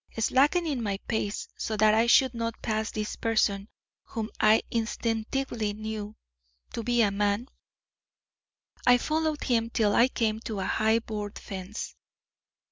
Slackening my pace, so that I should not pass this person, whom I instinctively knew to be a man, I followed him till I came to a high board fence.